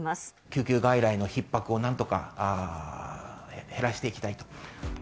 救急外来のひっ迫をなんとか減らしていきたいと。